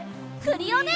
クリオネ！